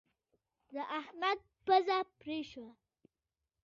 د احمد پزه پرې شوه.